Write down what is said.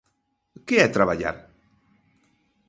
¿Que é traballar?